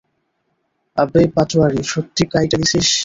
আবে পাটওয়ারি, সত্যি কাইটা দিছিস।